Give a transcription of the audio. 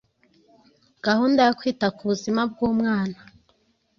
gahunda yo kwita ku buzima bw’umwana